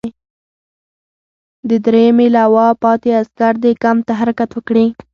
د دریمې لواء پاتې عسکر دې کمپ ته حرکت وکړي.